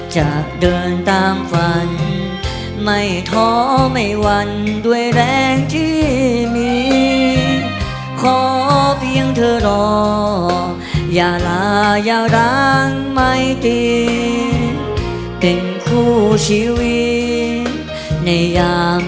จากวันต้องมีสักวัน